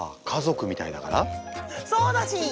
そうだしん！